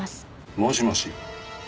もしもし。